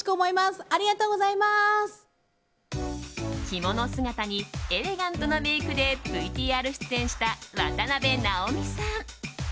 着物姿にエレガントなメイクでＶＴＲ出演した渡辺直美さん。